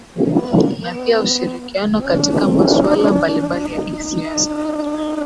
ni pia ushirikiano katika maswala mbalimbali ya kisiasa